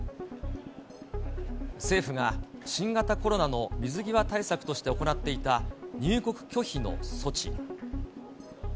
政府が新型コロナの水際対策として行っていた、入国拒否の措置。